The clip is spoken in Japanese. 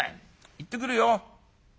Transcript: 行ってくるよ。